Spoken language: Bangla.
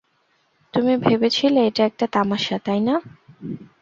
তুমি ভেবেছিলে এটা একটা তামাশা, তাই না?